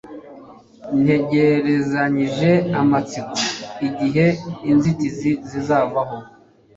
Ntegerezanyije amatsiko igihe inzitizi zzavaho